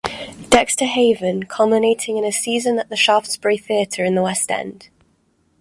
Dexter Haven, culminating in a season at The Shaftesbury Theatre in the West End.